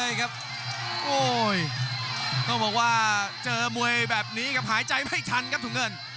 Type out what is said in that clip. โอ้โหต้องบอกว่าเจอมวยแบบนี้ครับหายใจไม่ทันครับถุงเงิน